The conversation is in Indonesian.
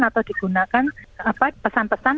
atau digunakan pesan pesan